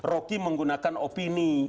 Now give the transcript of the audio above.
rocky menggunakan opini